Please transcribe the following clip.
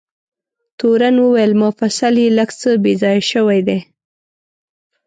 تورن وویل: مفصل یې لږ څه بې ځایه شوی دی.